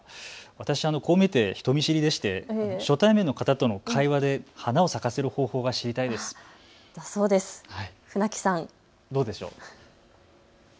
私、こう見えて人見知りなので初対面の方との話に花を咲かせる方法、船木さんどうでしょう。